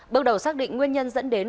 bước đầu xác định nguyên nhân dẫn đến